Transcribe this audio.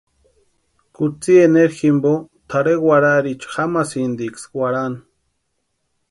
Kutsi eneru jimpo tʼarhe warharhiicha jamasïntiksï warhani.